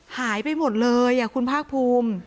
หายไปหมดเลยคุณภาคภูมิ